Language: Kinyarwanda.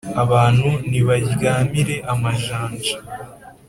abantu ntibaryamire amajanja